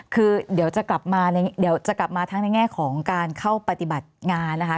คือเดี๋ยวจะกลับมาทั้งในแง่ของการเข้าปฏิบัติงานนะคะ